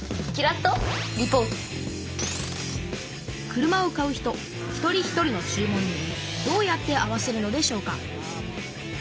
車を買う人一人一人の注文にどうやって合わせるのでしょうか？